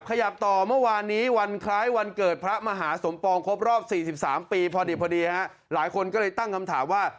ขยับต่อเมื่อวานนี้วันคล้ายวันเกิดพระมหาสมปองครบรอบ๔๓ปีพอดีฮะหลายคนก็เลยตั้งคำถามว่า